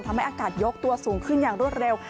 อากาศยกตัวสูงขึ้นอย่างรวดเร็ว